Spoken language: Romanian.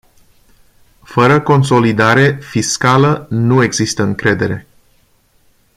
Fără consolidare fiscală nu există încredere.